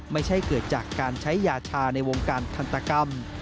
ไม่ใช่เกิดจากการใช้ยาชาในวงการทันตกรรม